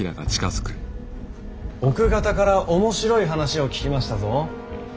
奥方から面白い話を聞きましたぞ。